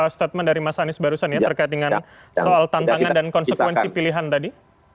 statement dari mas anies barusan ya terkait dengan soal tantangan dan konsekuensi pilihan tadi